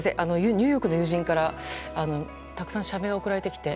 ニューヨークの友人からたくさん写メを送られてきて。